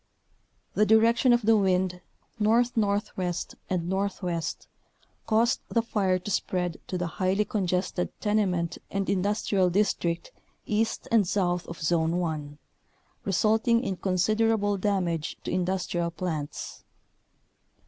The direction of the wind, north northwest and northwest, caused the fire to spread to the highly congested tenement and industrial district east and south of Zone 1, re sulting in considerable damage to industrial plants.